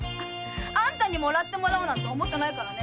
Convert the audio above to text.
あんたに貰ってもらおうなんて思ってないからね。